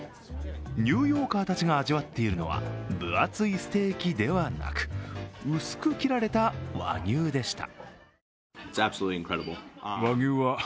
ニューヨーカーたちが味わっているのは分厚いステーキではなく、薄く切られた和牛でした。